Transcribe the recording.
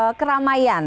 jauh dari keramaian